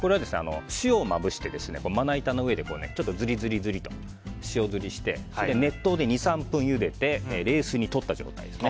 塩をまぶして、まな板の上でちょっとずりずりと塩ずりして熱湯で２３分ゆでて冷水にとった状態です。